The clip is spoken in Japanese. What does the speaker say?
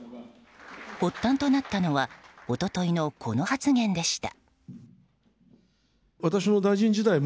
発端となったのは一昨日のこの発言でした。